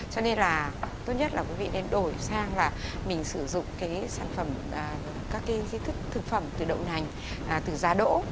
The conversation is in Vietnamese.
cho nên là tốt nhất là quý vị nên đổi sang là mình sử dụng các cái thực phẩm từ đậu nành từ giá đỗ